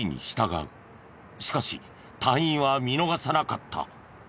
しかし隊員は見逃さなかった。